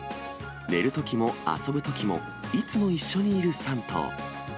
寝るときも、遊ぶときも、いつも一緒にいる３頭。